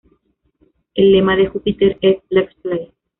El lema de Júpiter es “Let’s Play!